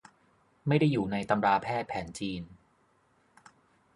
ไม่ได้อยู่ในตำราแพทย์แผนจีน